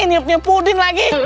nyiapnya pudin lagi